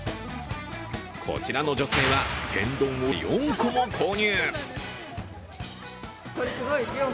こちらの女性は天丼を４個も購入。